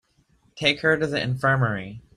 Take her to the infirmary.